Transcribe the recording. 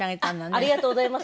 ありがとうございます。